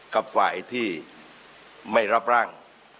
กับฝ่ายที่ไม่รับร่าง